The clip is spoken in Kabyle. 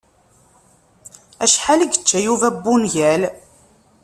Acḥal i yečča Yuba n ungul?